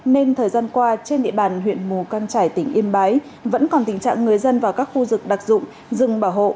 nên thời gian qua trên địa bàn huyện mù căng trải tỉnh yên bái vẫn còn tình trạng người dân vào các khu vực đặc dụng rừng bảo hộ